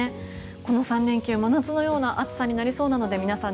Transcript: この３連休、真夏のような暑さになりそうなので皆さん